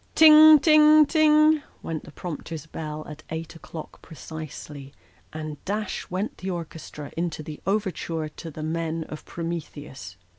Ting, ting, ting ! went the prompter's bell at eight o'clock precisely, and dash went the orchestra into the overture to " The Men of Prometheus."